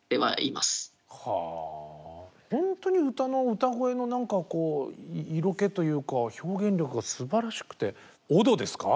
ほんとに歌の歌声の何か色気というか表現力がすばらしくて「踊」ですか？